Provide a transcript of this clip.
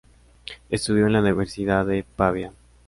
Estudió en la Universidad de Pavía.